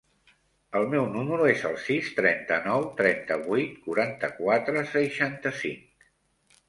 El meu número es el sis, trenta-nou, trenta-vuit, quaranta-quatre, seixanta-cinc.